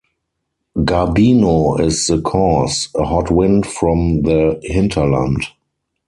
Garbino is the cause, a hot wind from the hinterland.